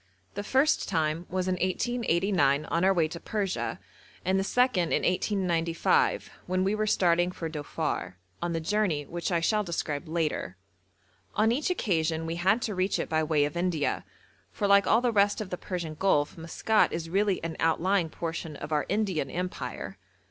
The first time was in 1889 on our way to Persia, and the second in 1895 when we were starting for Dhofar, on the journey which I shall describe later. On each occasion we had to reach it by way of India, for like all the rest of the Persian Gulf Maskat is really an outlying portion of our Indian Empire.